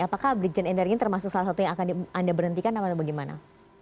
apakah bridging and enduring ini termasuk salah satu yang akan anda berhentikan atau bagaimana